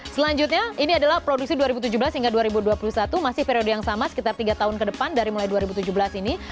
selanjutnya ini adalah produksi dua ribu tujuh belas hingga dua ribu dua puluh satu masih periode yang sama sekitar tiga tahun ke depan dari mulai dua ribu tujuh belas ini